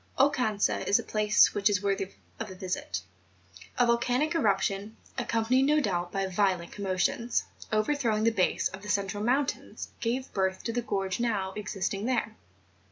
Oucanca is a place which is worthy of a visit; a volcanic eruption, accompanied no doubt by violent commotions, overthrowing the base of the central mountains, gave birth to the gorge now existing there.